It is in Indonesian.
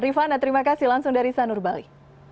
rifana terima kasih langsung dari sanur bali